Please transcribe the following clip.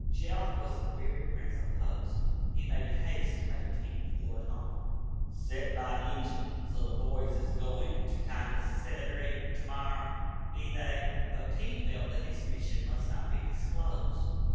Jeff was the very prince of hosts. He made haste to make Pete feel at home. "Set by, Injun. So the boys is goin' ter kinder cellybrate ter morrer, be they?" But Pete felt that his mission must not be disclosed.